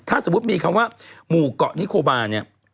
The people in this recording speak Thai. ถ้าสมมุติมีคำว่าหมู่เกาะนิโคบาเนี่ย